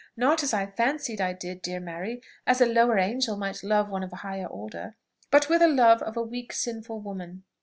not as I fancied I did, dear Mary, as a lower angel might love one of higher order, but with a love of a weak sinful woman.